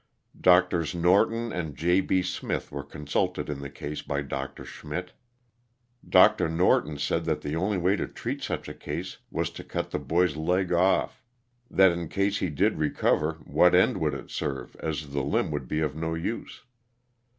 Drs. Norton and J. B. Smith were consulted in the case by Dr. Schmidt. Dr. LOSS OF THE SULTANA. 255 Norton said that the only way to treat such a case was to cut the boy's leg off, that in case he did recover what end would it serve as the limb would be of no use.